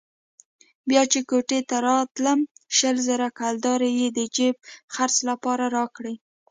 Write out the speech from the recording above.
بيا چې کوټې ته راتلم شل زره کلدارې يې د جېب خرڅ لپاره راکړې.